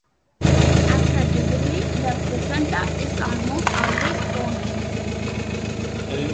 After delivery, the placenta is almost always thrown away.